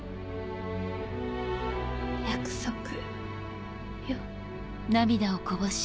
約束よ。